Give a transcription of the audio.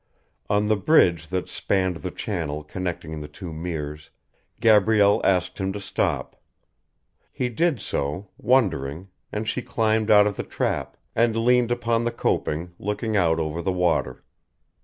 On the bridge that spanned the channel connecting the two meres Gabrielle asked him to stop. He did so, wondering, and she climbed out of the trap, and leaned upon the coping, looking out over the water.